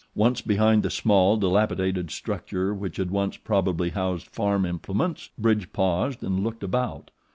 Once behind the small, dilapidated structure which had once probably housed farm implements, Bridge paused and looked about.